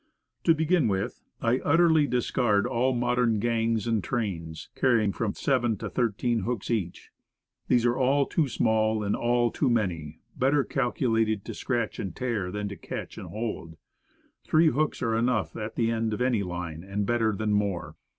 To begin with, I utterly discard all modern "gangs" and "trains," carrying from seven to thirteen hooks each. They are all too small, and all too many; better calculated to scratch and tear, than to catch and hold. Three hooks are enough at the end of any line, and better than more.